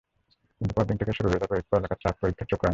কিন্তু পরদিন থেকেই শুরু হয়ে যায় পড়ালেখার চাপ, পরীক্ষার চোখ রাঙানি।